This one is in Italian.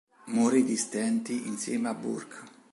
Morì di stenti insieme a Burke.